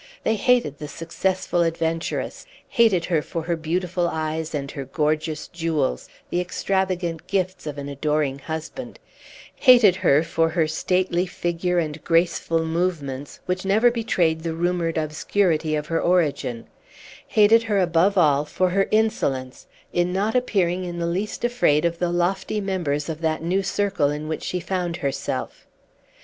They hated the successful adventuress hated her for her beautiful eyes and her gorgeous jewels, the extravagant gifts of an adoring husband hated her for her stately figure and graceful movements, which never betrayed the rumored obscurity of her origin hated her, above all, for her insolence in not appearing in the least afraid of the lofty members of that new circle in which she found herself.